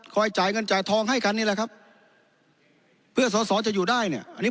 จ่ายเงินจ่ายทองให้กันนี่แหละครับเพื่อสอสอจะอยู่ได้เนี่ยอันนี้